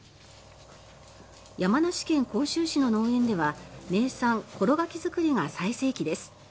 山梨県甲州市の農園では名産ころ柿作りが最盛期です。